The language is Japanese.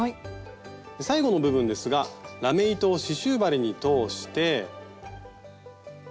最後の部分ですがラメ糸を刺しゅう針に通して。